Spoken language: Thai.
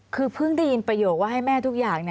คือเพิ่งได้ยินประโยคว่าให้แม่ทุกอย่าง